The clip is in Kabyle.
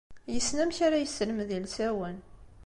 Yessen amek ara yesselmed ilsawen.